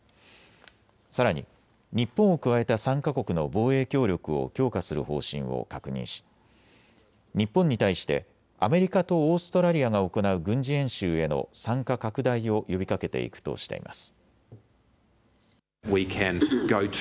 さらに日本を加えた３か国の防衛協力を強化する方針を確認し、日本に対してアメリカとオーストラリアが行う軍事演習への参加拡大を呼びかけていくとしています。